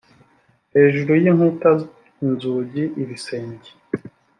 hejuru y inkuta inzugi ibisenge